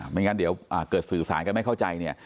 ไม่งั้นเดี๋ยวเกิดสื่อสารกันไม่เข้าใจเนี่ย